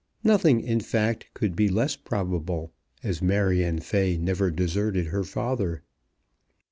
Nothing, in fact, could be less probable, as Marion Fay never deserted her father.